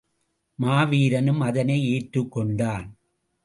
மாவீரனும் அதனை ஏற்றுக்கொண்டான்.